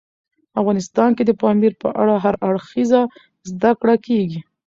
افغانستان کې د پامیر په اړه هر اړخیزه زده کړه کېږي.